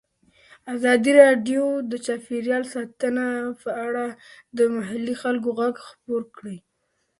ازادي راډیو د چاپیریال ساتنه په اړه د محلي خلکو غږ خپور کړی.